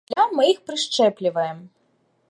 Пасля мы іх прышчэпліваем.